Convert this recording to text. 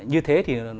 như thế thì